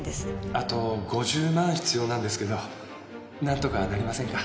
あと５０万必要なんですけどなんとかなりませんか？